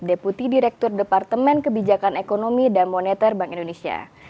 deputi direktur departemen kebijakan ekonomi dan moneter bank indonesia